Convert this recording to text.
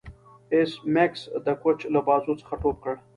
ایس میکس د کوچ له بازو څخه ټوپ کړ